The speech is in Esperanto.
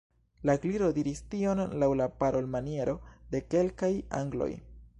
La Gliro diris tion laŭ la parolmaniero de kelkaj angloj.